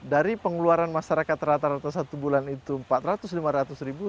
dari pengeluaran masyarakat rata rata satu bulan itu empat ratus lima ratus ribu